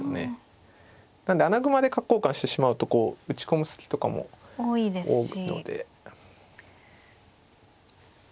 なんで穴熊で角交換してしまうと打ち込む隙とかも多いので。